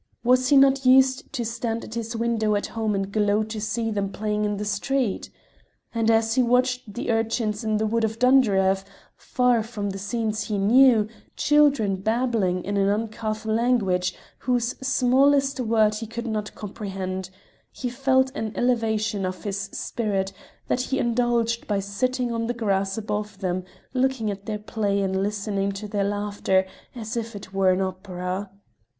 was he not used to stand at his window at home and glow to see them playing in the street? And as he watched the urchins in the wood of Dunderave, far from the scenes he knew, children babbling in an uncouth language whose smallest word he could not comprehend, he felt an elevation of his spirit that he indulged by sitting on the grass above them, looking at their play and listening to their laughter as if it were an opera.